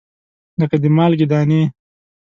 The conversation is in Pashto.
لګه د مالګې دانې